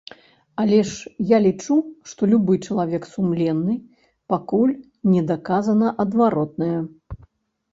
Але ж я лічу, што любы чалавек сумленны, пакуль не даказана адваротнае.